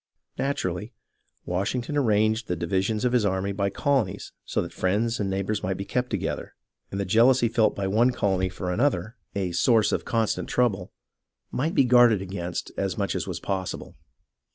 Naturally, Washington arranged the divisions of his army by colonies so that friends and neighbours might be kept together, and the jealousy felt by one colony for another, a source of constant trouble, might be guarded against as much as was possible.